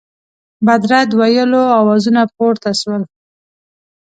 بد رد ویلو آوازونه پورته سول.